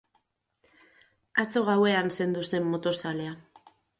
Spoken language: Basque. Atzo gauean zendu zen motozalea.